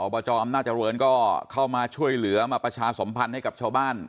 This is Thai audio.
บจอำนาจริงก็เข้ามาช่วยเหลือมาประชาสมพันธ์ให้กับชาวบ้าน